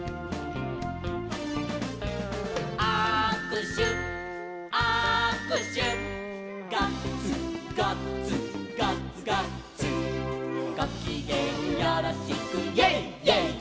「あくしゅあくしゅ」「ガッツガッツガッツガッツ」「ごきげんよろしく」「イェイイェイイェイ！」